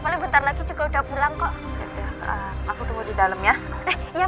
paling bentar lagi juga udah pulang kok aku tunggu di dalam ya